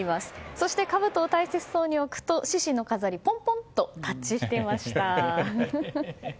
そしてかぶとを大切そうに置くと獅子の飾りをポンポンとタッチしていました。